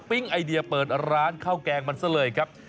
เปิดร้านข้าวแกงมันซะเลยครับ